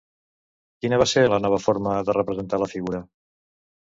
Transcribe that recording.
Quina va ser la nova forma de representar la figura?